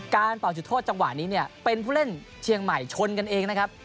เป่าจุดโทษจังหวะนี้เนี่ยเป็นผู้เล่นเชียงใหม่ชนกันเองนะครับ